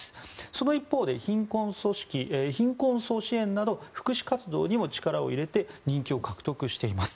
その一方で、貧困層支援など福祉活動にも力を入れて人気を獲得しています。